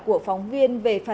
của phóng viên nguyễn thị thúy an